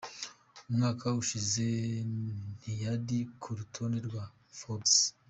Umwaka ushize ntiyari ku rutonde rwa Forbes.